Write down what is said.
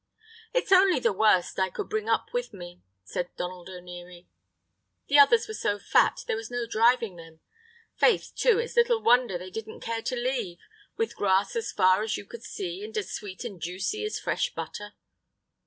"It's only the worst I could bring up with me," said Donald O'Neary; "the others were so fat, there was no driving them. Faith, too, it's little wonder they didn't care to leave, with grass as far as you could see, and as sweet and juicy as fresh butter."